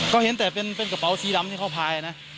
ก็เห็นแต่เป็นกระเป๋าสีดำที่เขาพายนะ